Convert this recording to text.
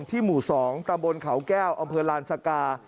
ที่หมู่สองตะบนเขาแก้วอำเภอลานซากา